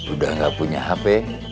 udah nggak punya hp